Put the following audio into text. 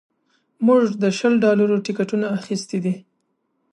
موږ د شل ډالرو ټکټونه اخیستي دي